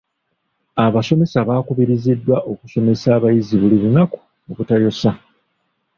Abasomesa baakubiriziddwa okusomesa abayizi buli lunaku obutayosa.